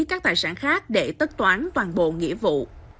các tài sản khác để tất toán toàn bộ nghĩa vụ